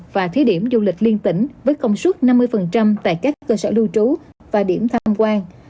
và thí điểm du lịch liên tỉnh với công suất năm mươi tại các cơ sở lưu trú và điểm tham quan